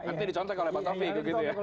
nanti dicontek oleh pak taufik